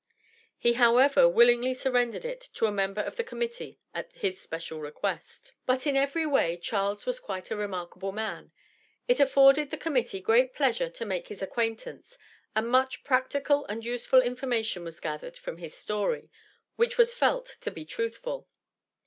He, however, willingly surrendered it to a member of the Committee at his special request. But in every way Charles was quite a remarkable man. It afforded the Committee great pleasure to make his acquaintance, and much practical and useful information was gathered from his story, which was felt to be truthful.